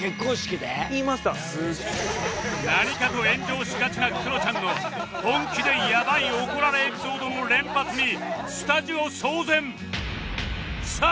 何かと炎上しがちなクロちゃんの本気でやばい怒られエピソードの連発にスタジオ騒然！